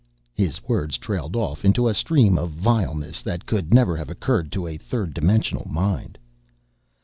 His words trailed off into a stream of vileness that could never have occurred to a third dimensional mind.